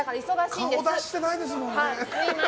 顔出ししてないですもんね。